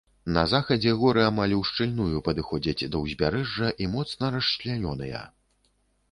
На захадзе горы амаль ушчыльную падыходзяць да ўзбярэжжа і моцна расчлянёныя.